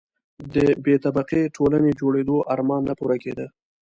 د بې طبقې ټولنې جوړېدو آرمان نه پوره کېده.